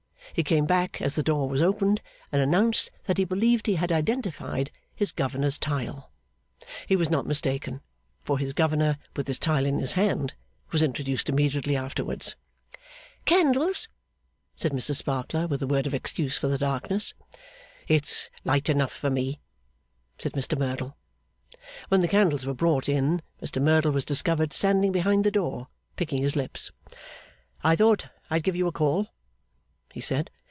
He came back as the door was opened, and announced that he believed he had identified 'his governor's tile.' He was not mistaken, for his governor, with his tile in his hand, was introduced immediately afterwards. 'Candles!' said Mrs Sparkler, with a word of excuse for the darkness. 'It's light enough for me,' said Mr Merdle. When the candles were brought in, Mr Merdle was discovered standing behind the door, picking his lips. 'I thought I'd give you a call,' he said.